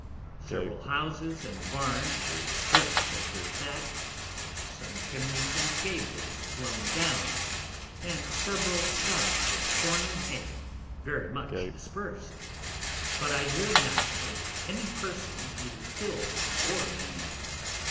Several Houses and Barns were stript of their Thatch, some Chimneys and Gables blown down, and several Stacks of Corn and Hay very much dispers'd; but I hear not of any Persons either kill'd or maim'd.